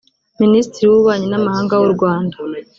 Minisitiri w’Ububanyi n’Amahanga w’u Rwanda